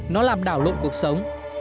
nó làm đảo lộn cuộc sống